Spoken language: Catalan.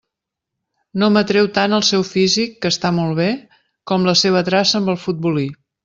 No m'atreu tant el seu físic, que està molt bé, com la seva traça amb el futbolí.